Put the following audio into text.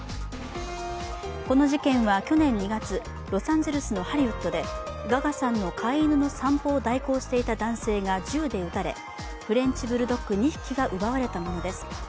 この事件は去年２月ロサンゼルスのハリウッドでガガさんの飼い犬の散歩を代行していた男性が銃で撃たれ、フレンチブルドッグ２匹が奪われたものです。